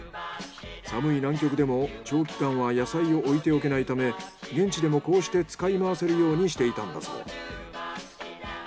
寒い南極でも長期間は野菜を置いておけないため現地でもこうして使いまわせるようにしていたんだそう。